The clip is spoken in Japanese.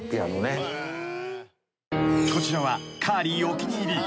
［こちらはカーリーお気に入り］